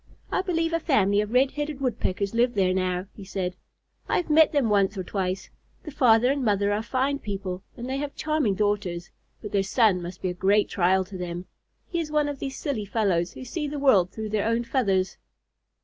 "I believe a family of Red headed Woodpeckers live there now," he said. "I have met them once or twice. The father and mother are fine people, and they have charming daughters, but their son must be a great trial to them. He is one of these silly fellows who see the world through their own feathers."